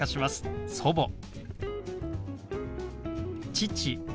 「父」。